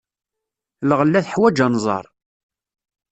Lɣella teḥwaj anẓar.